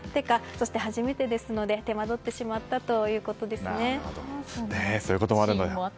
そして、初めてですので手間どってしまったそういうこともあると。